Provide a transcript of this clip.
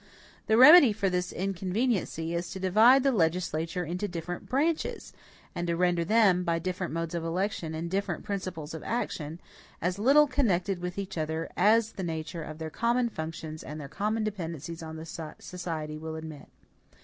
The remedy for this inconveniency is to divide the legislature into different branches; and to render them, by different modes of election and different principles of action, as little connected with each other as the nature of their common functions and their common dependence on the society will admit.